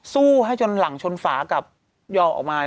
สู้ให้จนหลังชนฝากับยอมออกมา